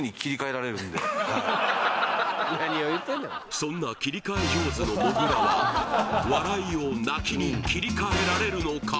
そんな切り替え上手のもぐらは笑いを泣きに切り替えられるのか？